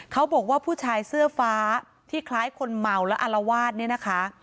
เขาบอกว่าผู้ชายเสื้อฟ้าที่คล้ายคนเมาและอารวาสเนี่ยนะคะ